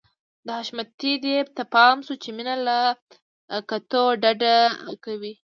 د حشمتي دې ته پام شو چې مينه له کتو ډډه کوي.